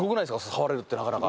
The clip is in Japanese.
触れるってなかなか。